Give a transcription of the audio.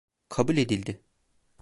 Kabul edildi.